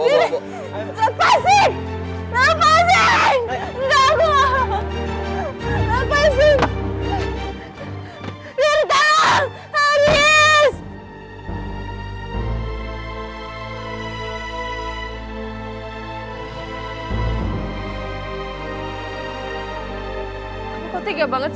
pak sid pak sid